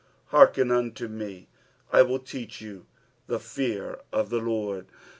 " Mearken •unto me: I tcHi t«aeh you the fear of the Lord."